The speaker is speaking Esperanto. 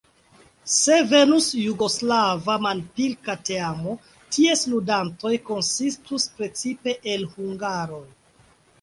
Se venus jugoslava manpilka teamo, ties ludantoj konsistus precipe el hungaroj.